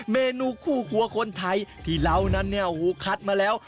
เมนูคู่ครัวคนไทยที่เรานั้นเนี่ยคัดมาแล้ว